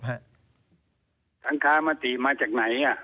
สังคามติมาจากไหนอ่ะ